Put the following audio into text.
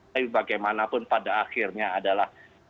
tapi bagaimanapun pada akhirnya adalah